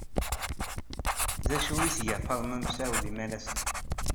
D acu ay tga Faḍma Mesɛud imalas-a?